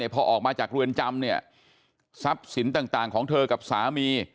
พอออกมาจากเรือนจำเนี่ยทรัพย์สินต่างของเธอกับสามี